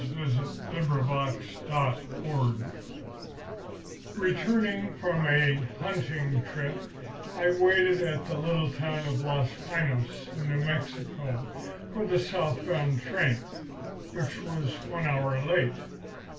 III TELEMACHUS, FRIEND Returning from a hunting trip, I waited at the little town of Los Piños, in New Mexico, for the south bound train, which was one hour late.